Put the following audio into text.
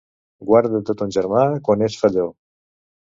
Guarda't de ton germà quan és felló.